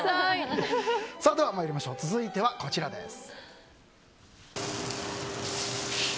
続いては、こちらです。